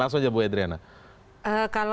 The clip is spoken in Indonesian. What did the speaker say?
langsung aja bu edriana